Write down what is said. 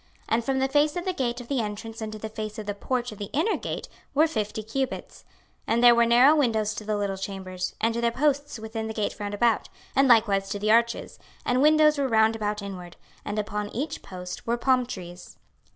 26:040:015 And from the face of the gate of the entrance unto the face of the porch of the inner gate were fifty cubits. 26:040:016 And there were narrow windows to the little chambers, and to their posts within the gate round about, and likewise to the arches: and windows were round about inward: and upon each post were palm trees.